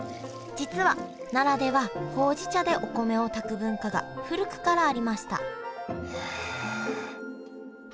実は奈良ではほうじ茶でお米を炊く文化が古くからありましたへえ。